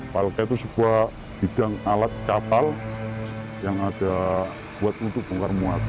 talak itu sebuah bidang alat kapal yang ada untuk mengtermuat